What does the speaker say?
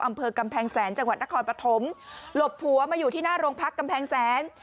อำเภอกำแพงแสนจังหวัดนครปฐมหลบผัวมาอยู่ที่หน้าโรงพักกำแพงแสน